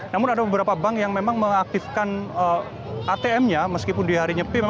namun ada beberapa bank yang memang mengaktifkan atm nya meskipun di hari nyepi